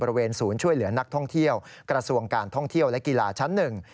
บริเวณศูนย์ช่วยเหลือนักท่องเที่ยวกระทรวงการท่องเที่ยวและกีฬาชั้นหนึ่ง